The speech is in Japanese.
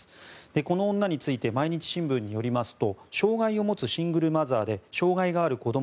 この女について毎日新聞によりますと障害を持つシングルマザーで障害がある子ども